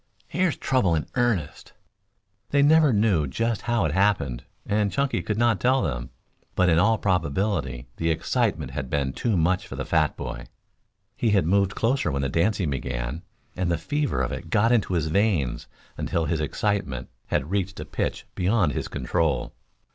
"Here's trouble in earnest!" They never knew just how it happened, and Chunky could not tell them, but in all probability the excitement had been too much for the fat boy! He had moved closer when the dancing began, and the fever of it got into his veins until his excitement had reached a pitch beyond his control.